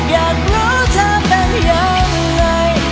อยากรู้เธอเป็นยังไง